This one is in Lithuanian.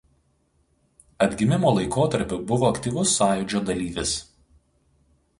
Atgimimo laikotarpiu buvo aktyvus Sąjūdžio dalyvis.